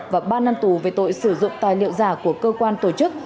và ba năm tù về tội sử dụng tài liệu giả của cơ quan tổ chức